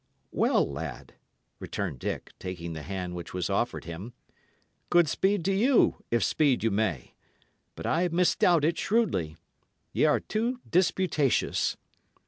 "Well, lad," returned Dick, taking the hand which was offered him, "good speed to you, if speed you may. But I misdoubt it shrewdly. Y' are too disputatious."